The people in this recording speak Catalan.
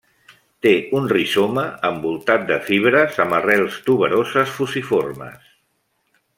Té un rizoma envoltat de fibres, amb arrels tuberoses fusiformes.